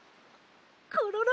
コロロ！